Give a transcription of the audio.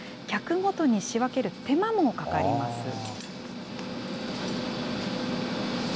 客ごとに仕分ける手間もかかります。